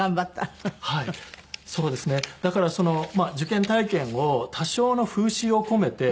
だから受験体験を多少の風刺を込めて歌って。